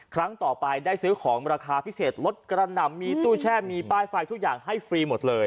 ครั้งต่อไปได้ซื้อของราคาพิเศษรถกระหน่ำมีตู้แช่มีป้ายไฟทุกอย่างให้ฟรีหมดเลย